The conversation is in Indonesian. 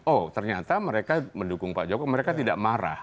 oh ternyata mereka mendukung pak jokowi mereka tidak marah